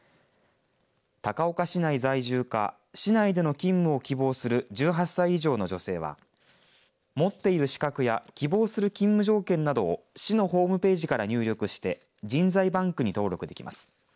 高岡市内在住か市内での勤務を希望する１８歳以上の女性は持っている資格や希望する勤務条件などを市のホームページから入力して人材バンクに登録できます。